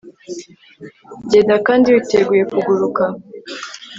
Genda kandi witeguye kuguruka